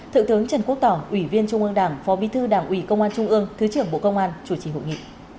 thượng tướng trần quốc tỏ ủy viên trung ương đảng phó bí thư đảng ủy công an trung ương thứ trưởng bộ công an chủ trì hội nghị